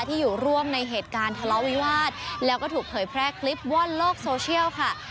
ที่อยู่ร่วมในเหตุการณ์ทะเลาะวิวาสแล้วก็ถูกเผยแพร่คลิปว่อนโลกโซเชียลค่ะ